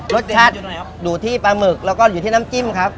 รสชาติอยู่ที่ปลาหมึกแล้วก็อยู่ที่น้ำจิ้มครับ